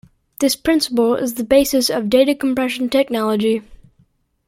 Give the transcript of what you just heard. This principle is the basis of data compression technology.